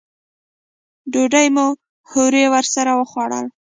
ډوډۍ مو هورې ورسره وخوړله.